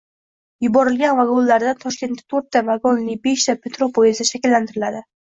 Yuborilgan vagonlardan Toshkentda to‘rtta vagonlibeshta metro poyezdi shakllantiriladi